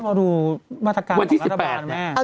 มาดูมาตรการของรัฐบาล